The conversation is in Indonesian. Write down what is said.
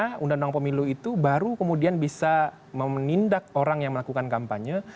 karena undang undang pemilu itu baru kemudian bisa menindak orang yang melakukan kampanye